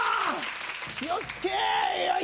気を付けい！